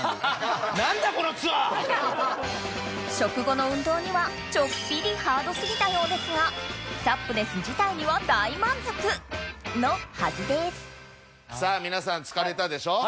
食後の運動にはちょっぴりハード過ぎたようですがサップネス自体には大満足のはずです皆さん疲れたでしょ？